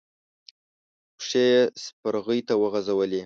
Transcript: پښې يې سپرغې ته وغزولې.